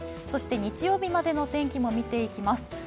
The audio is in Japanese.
そして日曜日までの天気も見ていきます。